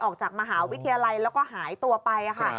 ออกจากมหาวิทยาลัยแล้วก็หายตัวไปค่ะ